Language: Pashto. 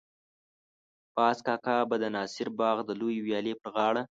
باز کاکا به د ناصر باغ د لویې ويالې پر غاړه.